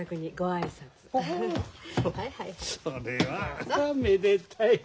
それはめでたい。